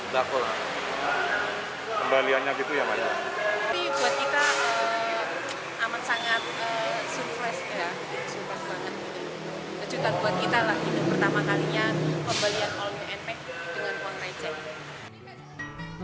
ini pertama kalinya pembelian all in and pack dengan uang rejek